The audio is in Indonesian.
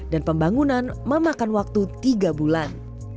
dan pembangunan memakan waktu tiga bulan